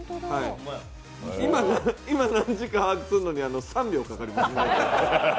今、何時か把握するのに３秒かかります。